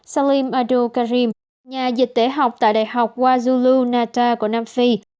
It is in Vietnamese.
salim abdul karim nhà dịch tễ học tại đại học kwazulu nata của nam phi